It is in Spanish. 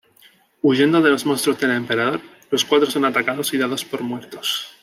Huyendo de los monstruos del emperador, los cuatro son atacados y dados por muertos.